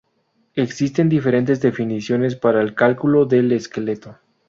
Existen diferentes definiciones para el cálculo del esqueleto.